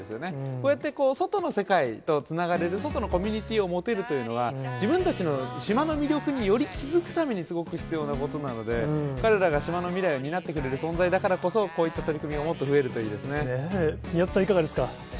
こうやって外の世界とつながれる、外のコミュニティーを持てるというのは、自分たちのすごく必要なことなので、彼らが島の未来を担ってくれる存在だからこそ、こういった取り組み、進んでいくといいです宮田さん、いかがですか。